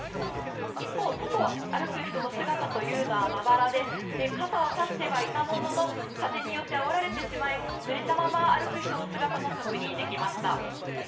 一方、外を歩く人の姿というのはまばらで傘を差してはいたものの風によってあおられてしまいぬれたまま歩く人の姿も確認できました。